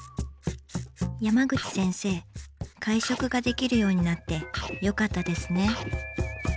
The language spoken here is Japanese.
山口先生会食ができるようになってよかったですね。